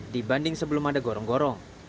dibanding sebelum ada gorong gorong